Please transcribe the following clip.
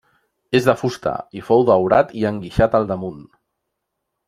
És de fusta, i fou daurat i enguixat al damunt.